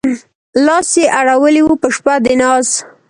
لاس يې اړولی و په شپه د ناز